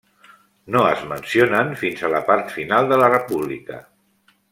No es mencionen fins a la part final de la República.